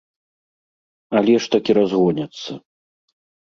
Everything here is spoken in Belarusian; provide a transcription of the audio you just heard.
Але ж так і разгоняцца!